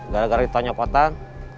gara gara ditonyok kotak